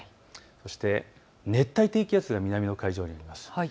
そして熱帯低気圧が南の海上にあります。